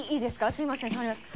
すみません触ります。